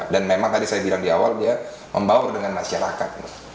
dan memang tadi saya bilang di awal dia membaur dengan masyarakat